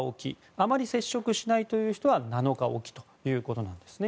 あまり接触しないという人は７日おきということなんですね。